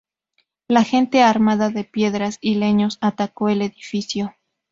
La gente, armada de piedras y leños, atacó el edificio.